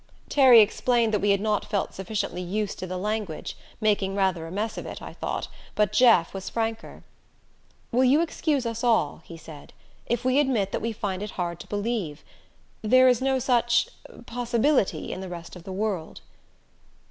Terry explained that we had not felt sufficiently used to the language, making rather a mess of it, I thought, but Jeff was franker. "Will you excuse us all," he said, "if we admit that we find it hard to believe? There is no such possibility in the rest of the world."